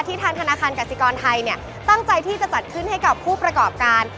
ทางธนาคารกสิกรไทยตั้งใจที่จะจัดขึ้นให้กับผู้ประกอบการ